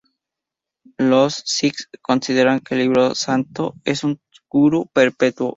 Los sijs consideran que el libro santo es su gurú perpetuo.